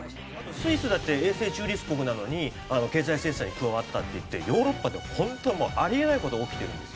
スイスだって永世中立国なのに経済制裁に加わったっていってヨーロッパで本当もうあり得ない事が起きてるんですよ。